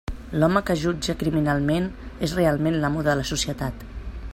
L'home que jutja criminalment és realment l'amo de la societat.